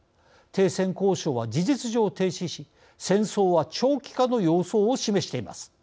停戦交渉は事実上、停止し戦争は長期化の様相を示しています。